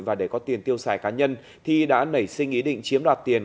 và để có tiền tiêu xài cá nhân thi đã nảy sinh ý định chiếm đoạt tiền